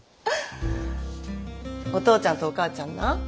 お父ちゃんとお母ちゃんな